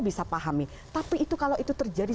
bisa pahami tapi itu kalau itu terjadi